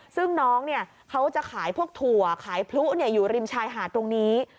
ซึ่งน้องเขาจะขายพวกถั่วขายพลุอยู่ริมชายหาดตรงนี้